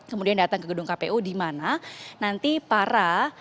kemudian datang ke gedung kpu dimana nanti para